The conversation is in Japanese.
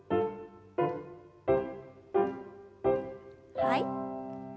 はい。